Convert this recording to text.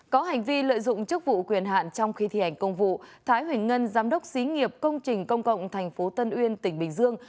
có hành vi lợi dụng chức vụ quyền hạn trong khi thi hành công vụ thái huỳnh ngân giám đốc xí nghiệp công trình công cộng tp tân uyên tỉnh bình dương